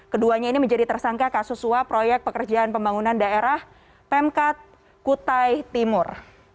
keduanya ini menjadi tersangka kasus suap proyek pekerjaan pembangunan daerah pemkat kutai timur